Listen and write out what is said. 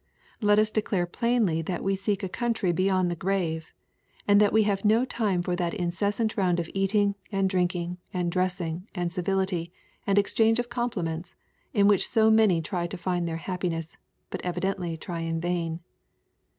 Let us declare plainly that we seek a country beyond the grave, and that we have no time for that incessant round of eating, and drinking, and dressing, and civility, and exchange of compliments, in which so many try to find their happiness, but evidently try in vain.